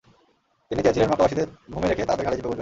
তিনি চেয়েছিলেন, মক্কাবাসীদের ঘুমে রেখে তাদের ঘাড়ে চেপে বসবেন।